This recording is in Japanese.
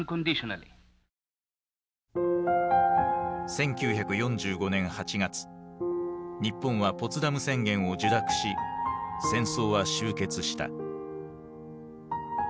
１９４５年８月日本はポツダム宣言を受諾し戦争は終結した。